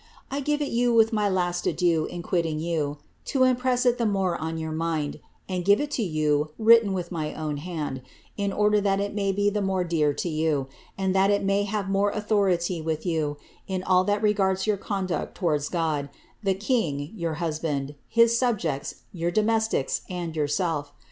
I give you it with my last adieu in quitting you, to impress it the more on your mind, anci give it to you written with my own hand, in order that it may be the more dear to you, and that it may have more authority with 3rou in all thpt regards your conduct towards God, the king, your husband, his subjects, your domestics, and yourself.